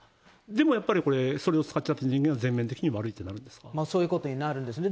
でもやっぱりこれ、それを使った人間が全面的に悪いということになるんですか。